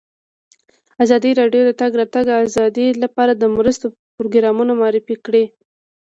ازادي راډیو د د تګ راتګ ازادي لپاره د مرستو پروګرامونه معرفي کړي.